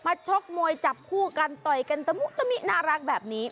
ชกมวยจับคู่กันต่อยกันตะมุตะมิน่ารักแบบนี้